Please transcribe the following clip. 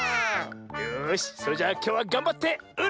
よしそれじゃきょうはがんばってうるぞ！